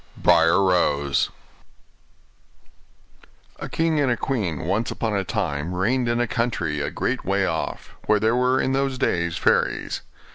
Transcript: BRIAR ROSE A king and queen once upon a time reigned in a country a great way off, where there were in those days fairies.